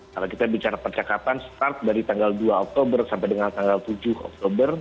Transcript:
kalau kita bicara percakapan start dari tanggal dua oktober sampai dengan tanggal tujuh oktober